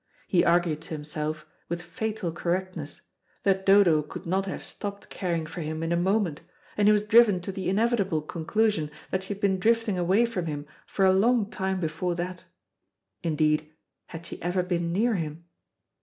He argued to himself, with fatal correctness, that Dodo could not have stopped caring for him in a moment, and he was driven to the inevitable conclusion that she had been drifting away from him for a long time before that; indeed, had she ever been near him?